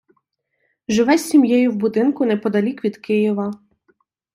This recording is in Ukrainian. Живе з сім’єю в будинку неподалік від Києва.